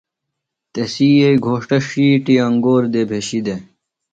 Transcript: تسی یئیی گھوݜٹہ ݜیٹیۡ انگور دےۡ بھشیۡ دےۡ۔